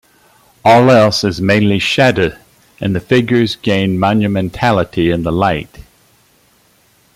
All else is mainly shadow, and the figures gain monumentality in the light.